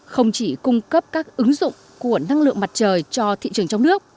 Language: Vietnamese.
không chỉ cung cấp các ứng dụng của năng lượng mặt trời cho thị trường trong nước